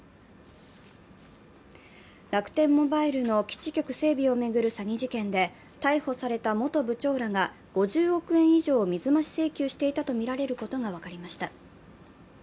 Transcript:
楽天モバイルの基地局整備を巡る詐欺事件で逮捕された元部長らが５０億円以上を水増し請求していたとみられることが分かりました。